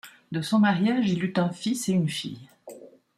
De son mariage il eut un fils et une fille.